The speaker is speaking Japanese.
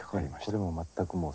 これも全くもう。